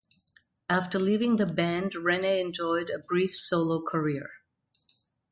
After leaving the band, Rene enjoyed a brief solo career.